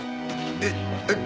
えっえっ？